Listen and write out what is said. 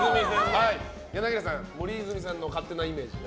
柳原さん、森泉さんの勝手なイメージは？